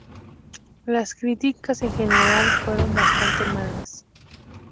Las críticas en general fueron bastante malas.